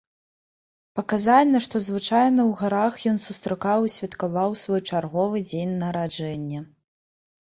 Паказальна, што звычайна ў гарах ён сустракаў і святкаваў свой чарговы дзень нараджэння.